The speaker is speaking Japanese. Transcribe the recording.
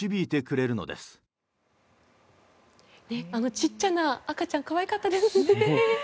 小さな赤ちゃん可愛かったですね。